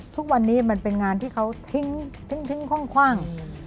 ทุกวันนี้มันเป็นงานที่เขาทิ้งคว่าง